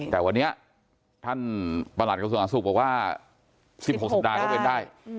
แต่วันนี้ท่านประหลาดกรุงสถานศูนย์ศูนย์บอกว่า